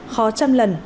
khó trăm lần